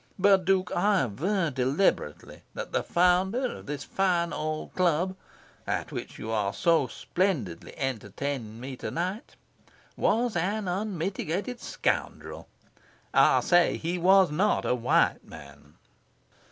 But, Duke, I aver deliberately that the founder of this fine old club; at which you are so splendidly entertaining me to night, was an unmitigated scoundrel. I say he was not a white man."